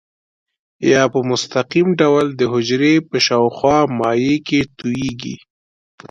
یا په مستقیم ډول د حجرې په شاوخوا مایع کې تویېږي.